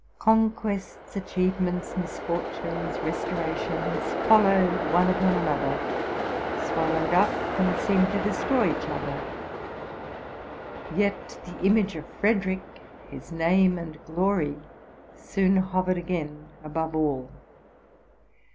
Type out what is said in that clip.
Conquests, achievements, misfortunes, restorations, followed one upon another, swallowed up and seemed to destroy each other; yet the image of Frederick, his name and glory, soon hovered again above all.